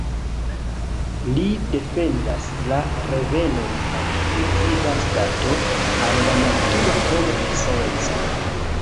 Li defendas la revenon al primitiva stato, al la natura homo esence.